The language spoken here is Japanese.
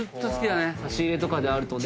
差し入れとかであるとね。